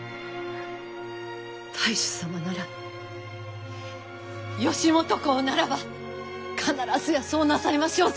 太守様なら義元公ならば必ずやそうなさいましょうぞ！